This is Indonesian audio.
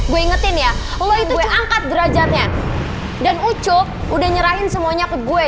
gue ingetin ya lo itu angkat derajatnya dan ucup udah nyerahin semua nyakit gue